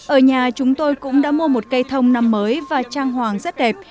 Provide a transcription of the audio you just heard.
ở nhà chúng tôi cũng đã mua một cây thông năm mới và trang hoàng rất đẹp